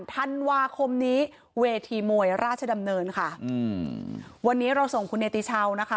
ธันวาคมนี้เวทีมวยราชดำเนินค่ะอืมวันนี้เราส่งคุณเนติชาวนะคะ